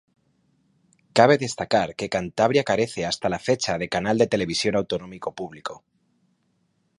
Cabe destacar que Cantabria carece hasta la fecha de canal de televisión autonómico público.